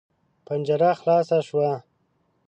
پنجره خلاصه شوه.